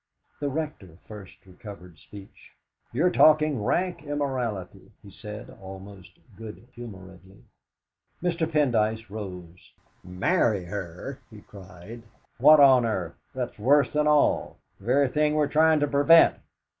The Rector first recovered speech. "You're talking rank immorality," he said almost good humouredly. Mr. Pendyce rose. "Marry her!" he cried. "What on earth that's worse than all the very thing we're trying to prevent!